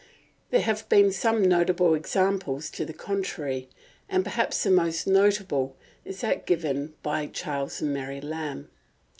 There have been some notable examples to the contrary, and perhaps the most notable is that given by Charles and Mary Lamb.